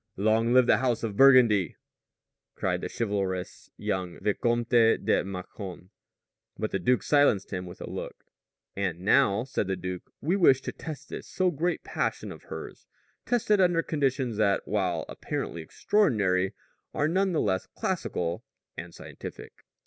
"Long live the House of Burgundy," cried the chivalrous young Vicomte de Mâcon. But the duke silenced him with a look. "And now," said the duke, "we wish to test this so great passion of hers test it under conditions that while apparently extraordinary are none the less classical and scientific.